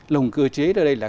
lồng cơ chế đây là